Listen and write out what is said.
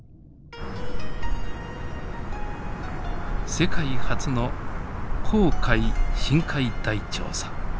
世界初の紅海深海大調査。